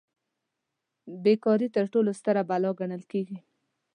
بې کاري تر ټولو ستره بلا بلل کیږي.